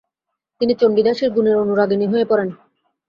তিনি চণ্ডীদাসের গুণের অনুরাগিণী হয়ে পড়েন।